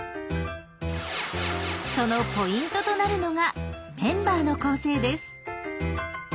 そのポイントとなるのがメンバーの構成です。